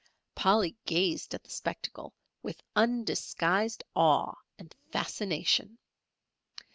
Polly gazed at the spectacle with undisguised awe and fascination.